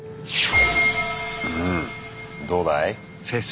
うんどうだい？